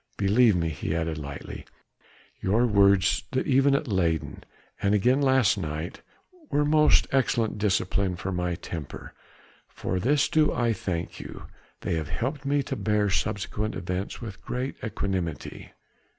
Believe me," he added lightly, "your words that evening at Leyden, and again last night were most excellent discipline for my temper: for this do I thank you! they have helped me to bear subsequent events with greater equanimity."